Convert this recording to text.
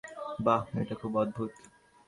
বাহ, এটা খুব অদ্ভুত।